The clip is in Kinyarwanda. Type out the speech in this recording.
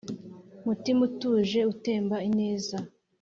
mutima utuje utemba ineza